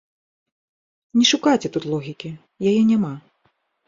Не шукайце тут логікі, яе няма.